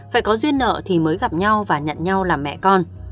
phải có duyên nợ thì mới gặp nhau và nhận nhau làm mẹ con